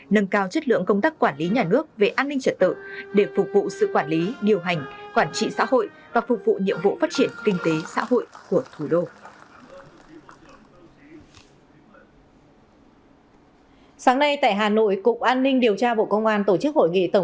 nâng cao chất lượng công tác quản lý nhà nước về an ninh trật tự để phục vụ sự quản lý điều hành quản trị xã hội và phục vụ nhiệm vụ phát triển kinh tế xã hội của thủ đô